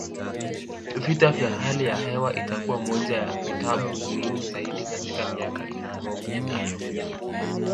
Vita vya hali ya hewa itakuwa moja ya vitabu muhimu zaidi katika miaka ijayo